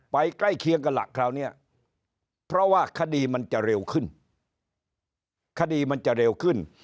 ไปใกล้เคียงกันหลักคราวนี้เพราะว่าคดีมันจะเร็วขึ้น